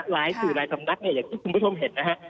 รายสื่อรายสำนักอย่างที่คุณผู้ชมเห็น